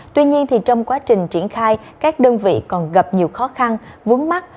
tuy nhiên trong quá trình triển khai các đơn vị còn gặp nhiều khó khăn vướng mắt